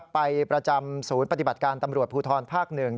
ไปประจำศูนย์ปฏิบัติการตำรวจภูทรภาค๑